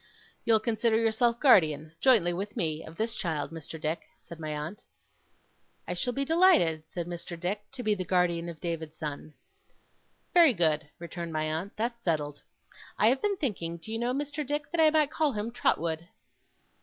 'You'll consider yourself guardian, jointly with me, of this child, Mr. Dick,' said my aunt. 'I shall be delighted,' said Mr. Dick, 'to be the guardian of David's son.' 'Very good,' returned my aunt, 'that's settled. I have been thinking, do you know, Mr. Dick, that I might call him Trotwood?